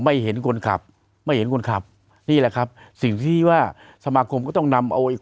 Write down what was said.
เห็นคนขับไม่เห็นคนขับนี่แหละครับสิ่งที่ว่าสมาคมก็ต้องนำเอา